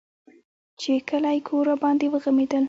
چې کلى کور راباندې وغمېدل.